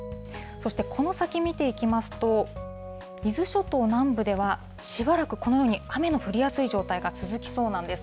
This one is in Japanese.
そしてこの先見ていきますと、伊豆諸島南部では、しばらくこのように雨の降りやすい状態が続きそうなんです。